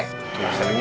tunggu sebentar lagi